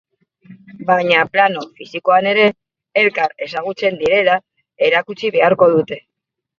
Baina plano fisikoan ere, elkar ezagutzen direla erakutsi beharko dute.